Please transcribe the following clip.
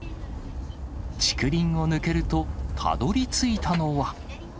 竹林を抜けると、たどりついたのは。